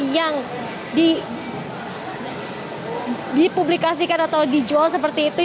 yang dipublikasikan atau dijual seperti itu